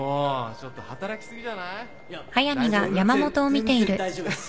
全然大丈夫です。